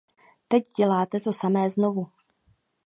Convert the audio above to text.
Teď děláte to samé znovu.